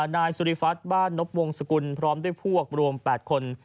นายสุริฟัฒนบ้านนบวงสกุลพร้อมด้วยพวกรวม๘คน